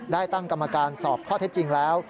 ได้ตั้งกรรมการสอบข้อเท็จจริงแล้ว